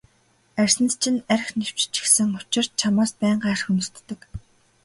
Арьсанд чинь архи нэвччихсэн учир чамаас байнга архи үнэртдэг.